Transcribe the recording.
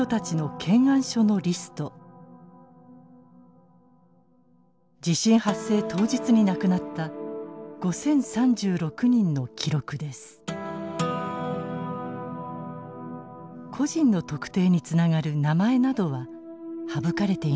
個人の特定につながる名前などは省かれています。